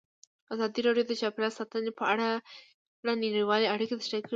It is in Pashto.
ازادي راډیو د چاپیریال ساتنه په اړه نړیوالې اړیکې تشریح کړي.